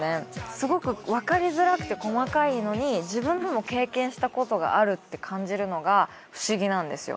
すごく分かりづらくて細かいのに自分でも経験したことがあるって感じるのが不思議なんですよ